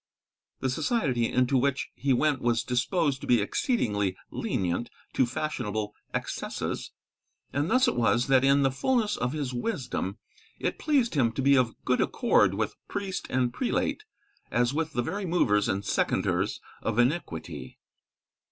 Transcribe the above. The society into which he went was disposed to be exceedingly lenient to fashionable excesses. And thus it was that in the fulness of his wisdom, it pleased him to be of good accord with priest and prelate as with the very movers and seconders of iniquity.